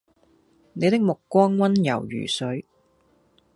你的目光溫柔如水